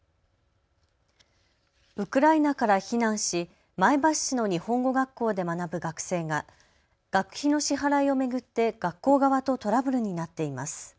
ウクライナから避難し前橋市の日本語学校で学ぶ学生が学費の支払いを巡って学校側とトラブルになっています。